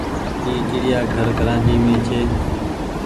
اي چڙيآ گهر ڪرآچي مين ڇي۔